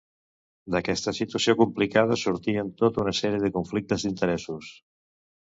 D'aquesta situació complicada sortien tota una sèrie de conflictes d'interessos.